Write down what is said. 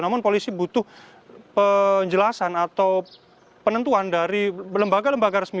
namun polisi butuh penjelasan atau penentuan dari lembaga lembaga resmi